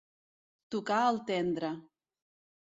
Tocar el tendre.